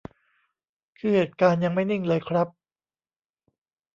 คือ เหตุการณ์ยังไม่นิ่งเลยครับ